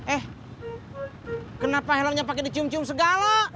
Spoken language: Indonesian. eh kenapa helangnya pake dicium cium segala